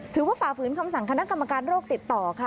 ฝ่าฝืนคำสั่งคณะกรรมการโรคติดต่อค่ะ